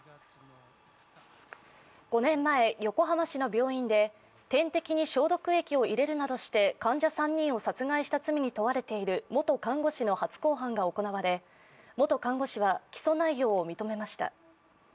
５年前、横浜市の病院で点滴に消毒液を入れるなどして患者３人を殺害した罪に問われている元看護師の初公判が行われ元看護師は起訴内用を認めました。